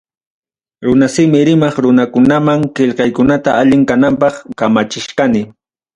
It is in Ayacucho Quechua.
Runasimi rimaq runakunaman qillqaykunata allin kananpaq kamachichkani.